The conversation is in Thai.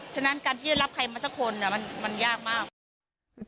ฉะนั้นการที่ได้รับใครมาสักคนมันยากมาก